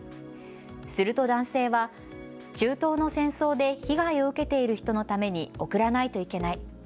すると男性は、中東の戦争で被害を受けている人のために送らないといけない。